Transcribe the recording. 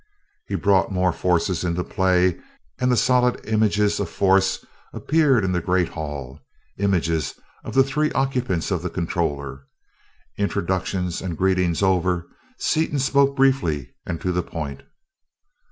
He brought more forces into play, and solid images of force appeared in the great hall; images of the three occupants of the controller. Introductions and greetings over, Seaton spoke briefly and to the point.